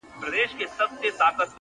پوهه تیاره شکونه له منځه وړي